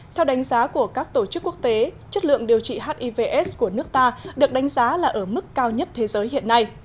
theo đánh giá của các tổ chức quốc tế chất lượng điều trị hivs của nước ta được đánh giá là ở mức cao nhất thế giới hiện nay